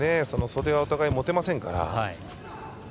袖はお互い持てませんから。